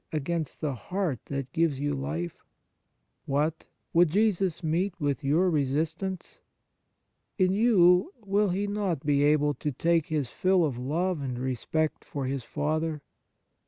— against the heart that gives you life ? What ! would Jesus meet with your resist ance ? In you, will He not be able to take His fill of love and respect for His Father